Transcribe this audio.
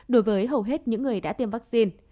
đối với hầu hết những người đã tiêm vaccine